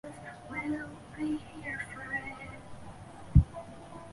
今北大东岛在行政区划上属于冲绳县岛尻郡北大东村管辖。